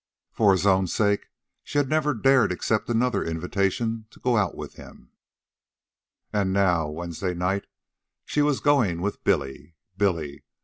For his own sake she had never dared accept another invitation to go out with him. And now, Wednesday night, she was going with Billy. Billy!